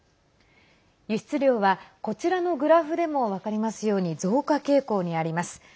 輸出量は、こちらのグラフでも分かりますように増加傾向にあります。